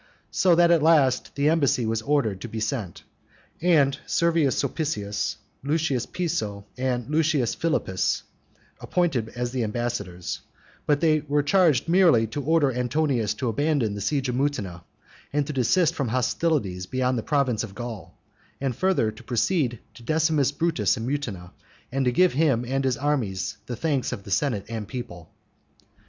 So that at last the embassy was ordered to be sent, and Servius Sulpicius, Lucius Piso, and Lucius Philippus, appointed as the ambassadors, but they were charged merely to order Antonius to abandon the siege of Mutina, and to desist from hostilities against the province of Gaul, and further, to proceed to Decimus Brutus in Mutina, and to give him and his army the thanks of the senate and people.